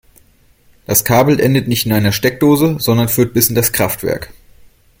Das Kabel endet nicht in einer Steckdose, sondern führt bis in das Kraftwerk.